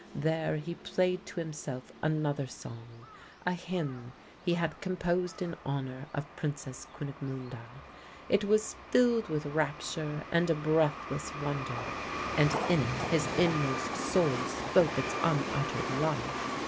There he played to himself another song, a hymn he had composed in honour of Princess Kunigmunde. It was filled with rapture and a breathless wonder, and in it his inmost soul spoke its unuttered love.